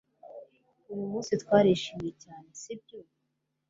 Uyu munsi twarishimye cyane, sibyo?